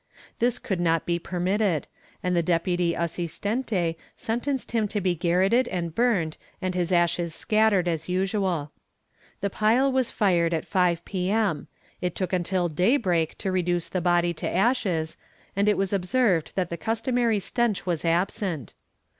This could not be permitted, and the deputy assistente sentenced him to be garrotted and burnt, and his ashes scattered as usual. The pile was fired at 5 p.m. ; it took until day break to reduce the body to ashes, and it was observed that the customary stench was absent.